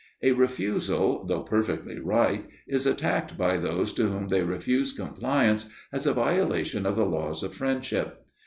A refusal, though perfectly right, is attacked by those to whom they refuse compliance as a violation of the laws of friendship.